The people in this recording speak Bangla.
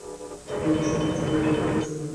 জগতের সব-কিছুরই এই একই অবস্থা।